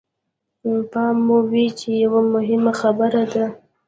پام مو وي چې يوه مهمه خبره ده.